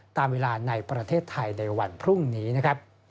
ตามเวลาในประเทศไทยในวันพรุ่งนี้นะครับ